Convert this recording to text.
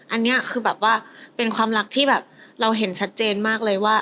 อันนี้คือแบบว่าเป็นความรักที่แบบเราเห็นชัดเจนมากเลยว่า